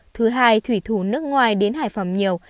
thứ hai thủy thủ nước ngoài đến hải phòng nhiều